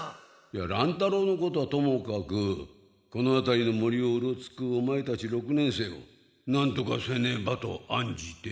乱太郎のことはともかくこのあたりの森をうろつくオマエたち六年生をなんとかせねばとあんじて。